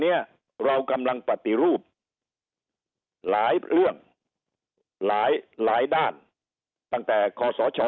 เนี่ยเรากำลังปฏิรูปหลายเรื่องหลายหลายด้านตั้งแต่คศช